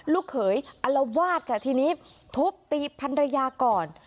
ลูกเขยอลวาดค่ะทีนี้ทุบตีพันรยาก่อน